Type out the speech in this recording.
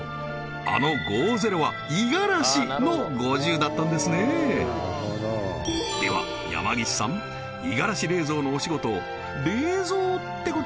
あの「５０」は「五十嵐」の「５０」だったんですねでは山岸さん五十嵐冷蔵のお仕事